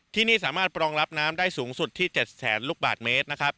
ที่นี่สามารถปรองรับน้ำได้สูงสุดที่๗แสนลูกบาทเมตรนะครับ